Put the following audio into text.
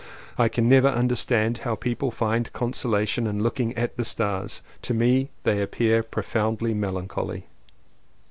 I never can understand how people find consolation in looking at the stars. To me they appear profoundly melancholy.